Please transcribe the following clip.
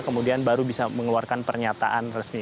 kemudian baru bisa mengeluarkan pernyataan resmi